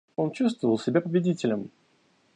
Он чувствовал себя победителем.